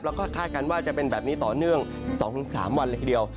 แล้วก็คาดการณ์ว่าจะเป็นแบบนี้ต่อเนื่อง๒๓วันเลยทีเดียว